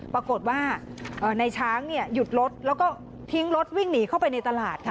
ปรากฏว่าในช้างหยุดรถแล้วก็ทิ้งรถวิ่งหนีเข้าไปในตลาดค่ะ